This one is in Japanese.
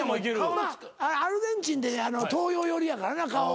まあアルゼンチンで東洋寄りやからな顔は。